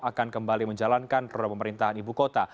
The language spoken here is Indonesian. akan kembali menjalankan roda pemerintahan ibu kota